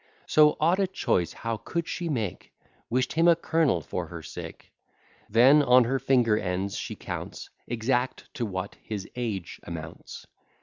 So odd a choice how could she make! Wish'd him a colonel for her sake. Then, on her finger ends she counts, Exact, to what his age amounts.